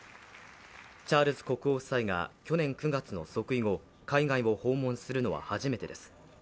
チャールズ国王夫妻が去年９月の即位後、海外を訪問するのは初めてです。